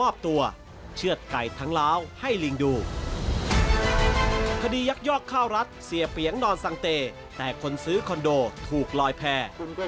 เพราะเสียเปลียงดอนสังเตย์แต่คนซื้อคอนโดถูกลอยแพ้